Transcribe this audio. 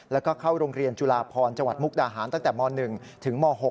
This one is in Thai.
แล้วก็เข้าโรงเรียนจุฬาพรจังหวัดมุกดาหารตั้งแต่ม๑ถึงม๖